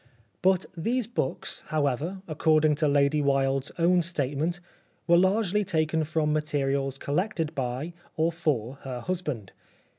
Both these books, however, according to Lady Wilde's own statement, were largely taken 79 The Life of Oscar Wilde from materials collected by, or for her husband.